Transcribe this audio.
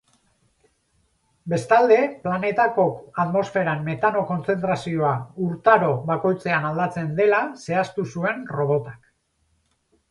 Bestalde, planetako atmosferan metano kontzentrazioa urtaro bakoitzean aldatzen dela zehaztu zuen robotak.